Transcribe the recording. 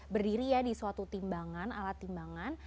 berdiri ya di suatu timbangan alat timbangan